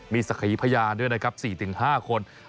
มีสักขีพยานด้วยนะครับ๔๕คน